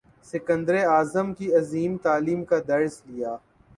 سکندر اعظم کی عظیم تعلیم کا درس لیا